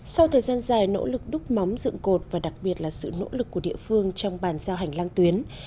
sau thời gian dài nỗ lực đúc móng dựng cột và đặc biệt là sự nỗ lực của địa phương trong bàn giao hành lang tuyến